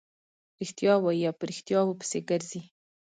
رښتیا وايي او په ريښتیاوو پسې ګرځي.